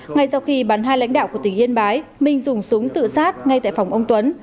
ngay sau khi bắn hai lãnh đạo của tỉnh yên bái minh dùng súng tự sát ngay tại phòng ông tuấn